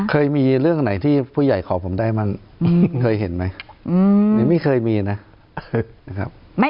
เคยมีเรื่องไหนที่ผู้ใหญ่ขอผมได้มั่งเคยเห็นไหมหรือไม่เคยมีนะครับ